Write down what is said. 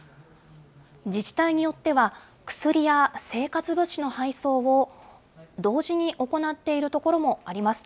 自治体によっては、薬や生活物資の配送を同時に行っている所もあります。